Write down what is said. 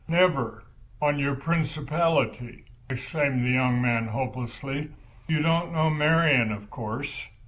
"Never, on your principality!" exclaimed the young man, hopelessly. "You don't know Marian—of course.